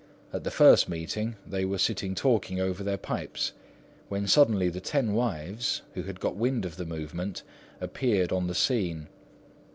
At the first meeting they were sitting talking over their pipes, when suddenly the ten wives, who had got wind of the movement, appeared on the scene.